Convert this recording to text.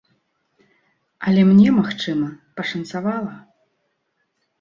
Але мне, магчыма, пашанцавала.